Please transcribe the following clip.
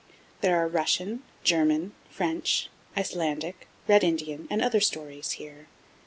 There are Russian, German, French, Icelandic, Red Indian, and other stories here.